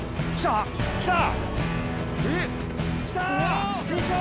来た！